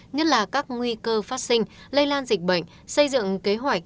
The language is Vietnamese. nhất là các nguy cơ phát sinh lây lan dịch bệnh xây dựng kế hoạch